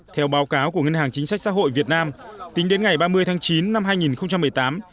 theo báo cáo của ngân hàng chính sách xã hội việt nam tính đến ngày ba mươi tháng chín năm hai nghìn một mươi tám